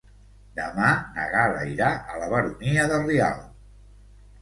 Demà na Gal·la irà a la Baronia de Rialb.